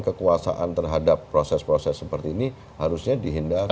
kekuasaan terhadap proses proses seperti ini harusnya dihindari